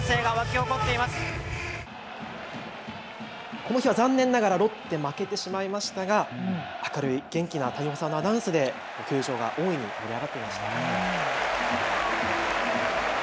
この日は残念ながらロッテ、負けてしまいましたが明るい元気な谷保さんのアナウンスで球場が大いに盛り上がっていました。